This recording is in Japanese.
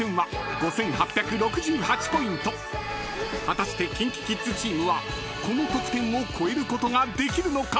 ［果たしてＫｉｎＫｉＫｉｄｓチームはこの得点を超えることができるのか？］